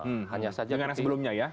dengan yang sebelumnya ya